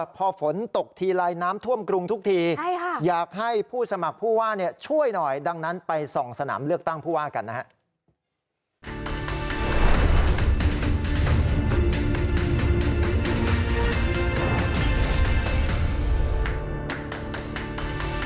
พอฝนตกทีไรน้ำท่วมกรุงทุกทีอยากให้ผู้สมัครผู้ว่าช่วยหน่อยดังนั้นไปส่องสนามเลือกตั้งผู้ว่ากันนะครับ